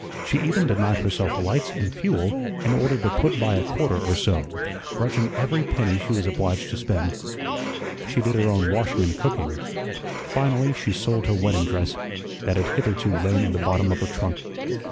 She even denied herself lights and fuel in order to put by a quarter or so, grudging every penny she was obliged to spend. She did her own washing and cooking. Finally she sold her wedding dress, that had hitherto lain in the bottom of her trunk.